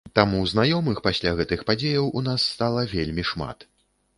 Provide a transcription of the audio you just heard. Таму знаёмых пасля гэтых падзеяў у нас стала вельмі шмат.